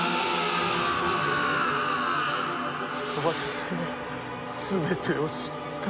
私は全てを知った。